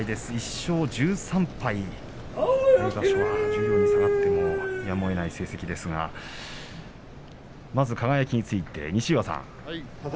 十両に下がってもやむをえない成績ですがまずは輝について西岩さん。